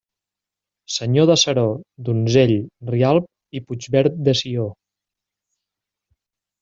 Senyor de Seró, Donzell, Rialb i Puigverd de Sió.